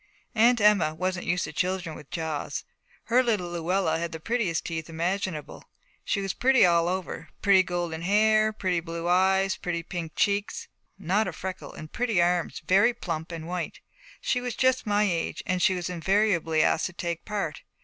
Aunt Emma wasn't used to children with jaws. Her little Luella had the prettiest teeth imaginable: she was pretty all over, pretty golden hair, pretty blue eyes, pretty pink cheeks, not a freckle, and pretty arms very plump and white. She was just my age, and she was invariably asked to take part.